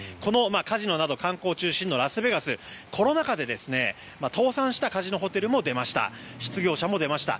カジノなど観光中心のラスベガスコロナ禍で倒産したカジノホテルも出ました失業者も出ました。